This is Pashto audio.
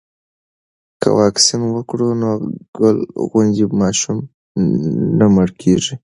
که واکسین وکړو نو ګل غوندې ماشومان نه مړه کیږي.